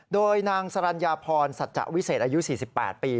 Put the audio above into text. โดยนางสรรญาพรสัจจะวิเศษอายุ๔๘ปี